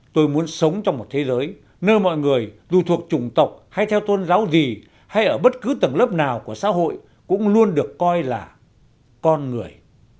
tôi muốn sống trong một thế giới nơi mọi người dù thuộc trùng tộc hay theo tôn giáo gì hay ở bất cứ tầng lớp nào của xã hội cũng luôn được coi là con người